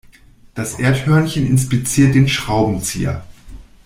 Das Erdhörnchen inspiziert den Schraubenzieher.